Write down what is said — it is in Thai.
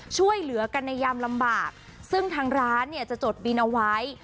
ช่วยเหลือกันในยามลำบากซึ่งทางร้านเนี่ยจะจดบินเอาไว้